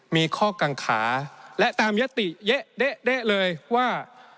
มีข้อกางขาและตามยศติเยอะเดอะเดอะเลยว่า